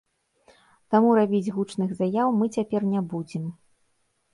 Таму рабіць гучных заяў мы цяпер не будзем.